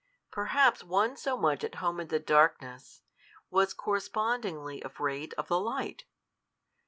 Perhaps one so much at home in the darkness was correspondingly afraid of the light!